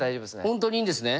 本当にいいんですね。